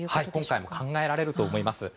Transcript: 今回も考えられると思います。